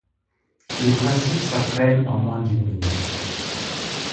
Les principes s'apprennent en moins d'une minute.